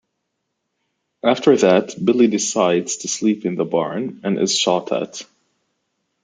After that, Billy decides to sleep in the barn, and is shot at.